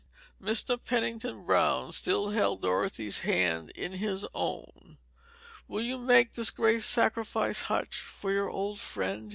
Mr. Pennington Brown still held Dorothy's hand in his own. "Will you make this great sacrifice, Hutch, for your old friend?"